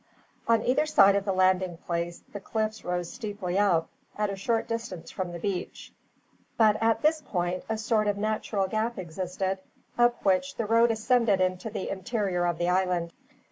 On either side of the landing place the cliffs rose steeply up, at a short distance from the beach. But at this point a sort of natural gap existed, up which the road ascended into the interior of the island.